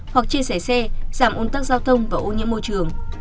hoặc chia sẻ xe giảm ôn tắc giao thông và ô nhiễm môi trường